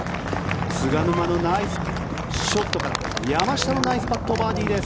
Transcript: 菅沼のナイスショットから山下のナイスパットバーディーです。